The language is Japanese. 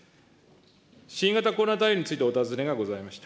新型コロナ対応についてお尋ねがございました。